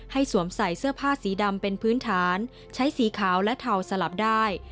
สวมใส่เสื้อผ้าสีดำเป็นพื้นฐานใช้สีขาวและเทาสลับได้